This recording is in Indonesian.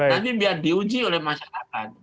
nanti biar diuji oleh masyarakat